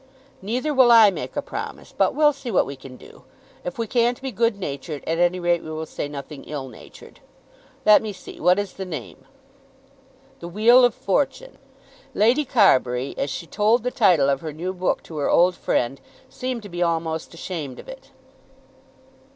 "Neither will I make a promise, but we'll see what we can do. If we can't be good natured, at any rate we will say nothing ill natured. Let me see, what is the name?" "'The Wheel of Fortune.'" Lady Carbury as she told the title of her new book to her old friend seemed to be almost ashamed of it.